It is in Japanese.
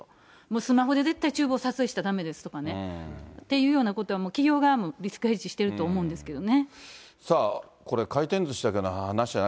スマホで絶対ちゅう房撮影しちゃだめですっていうようなことは、企業側もリスクヘッジしてると思うんですけれどもね。